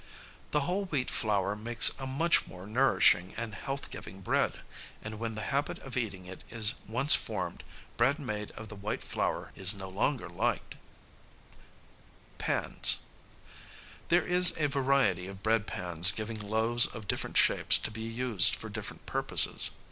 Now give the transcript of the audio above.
The whole wheat flour makes a much more nourishing and health giving bread, and when the habit of eating it is once formed, bread made of the white flour is no longer liked. [Sidenote: Pans.] [Sidenote: Different shapes for variety.] There is a variety of bread pans giving loaves of different shapes to be used for different purposes.